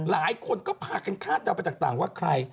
หลายคนก็พากันคาดเดาไปต่างว่าใคร